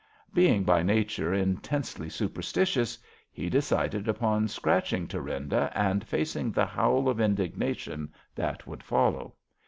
Being by nature intensely superstitious, he decided upon scratching Thurinda and facing the howl of indignation that would follow.